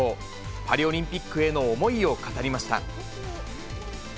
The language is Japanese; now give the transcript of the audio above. パリオリンピックへの思いを語りました。